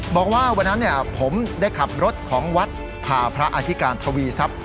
บอกว่าวันนั้นผมได้ขับรถของวัดพาพระอธิการทวีทรัพย์